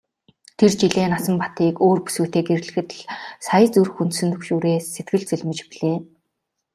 Тэр жилээ Насанбатыг өөр бүсгүйтэй гэрлэхэд л сая зүрх хөндсөн түгшүүрээс сэтгэл цэлмэж билээ.